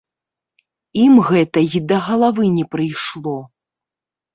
Ім гэта і да галавы не прыйшло.